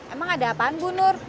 emang ada apaan bu nur